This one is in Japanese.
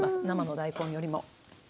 生の大根よりも。